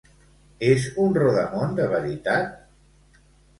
És un rodamon de veritat?